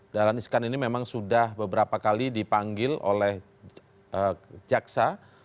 dahlan iskan ini memang sudah beberapa kali dipanggil oleh jaksa